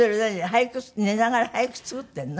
俳句寝ながら俳句作ってるの？